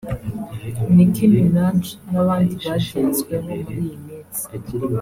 Nicki Minaj n’abandi bagenzweho muri iyi minsi